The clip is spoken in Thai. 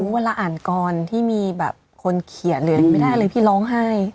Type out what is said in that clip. เวลาอ่านกรที่มีแบบคนเขียนหรือไม่ได้อะไรพี่ร้องไห้